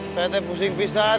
saya teh pusing pistan